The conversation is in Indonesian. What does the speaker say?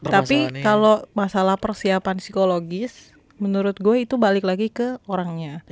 tapi kalau masalah persiapan psikologis menurut gue itu balik lagi ke orangnya